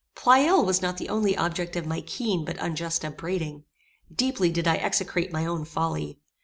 Pleyel was not the only object of my keen but unjust upbraiding. Deeply did I execrate my own folly.